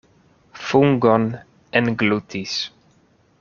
Fungon englutis!